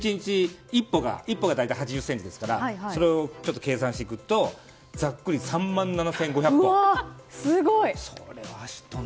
１歩が大体８０ｃｍですからそれを計算していくとざっくり３万７５００歩。